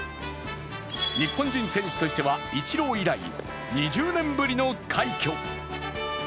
日本人選手としてはイチロー以来２０年ぶりの快挙。